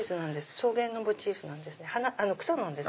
草原のモチーフなんです草です。